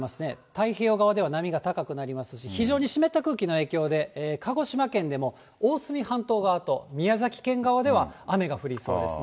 太平洋側では波が高くなりますし、非常に湿った空気の影響で、鹿児島県でも大隅半島側と宮崎県側では雨が降りそうですね。